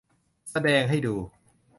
แสดงให้ดู